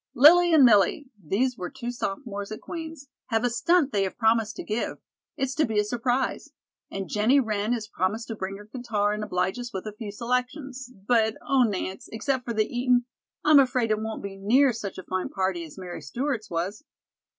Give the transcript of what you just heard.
"Lillie and Millie," these were two sophomores at Queen's, "have a stunt they have promised to give. It's to be a surprise. And Jennie Wren has promised to bring her guitar and oblige us with a few selections, but, oh, Nance, except for the eatin', I'm afraid it won't be near such a fine party as Mary Stewart's was."